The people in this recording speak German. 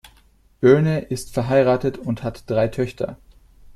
Byrne ist verheiratet und hat drei Töchter.